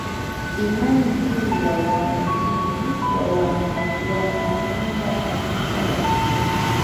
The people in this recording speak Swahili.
Imani juu yake Waumini wake wanaunda Kanisa la Kikristo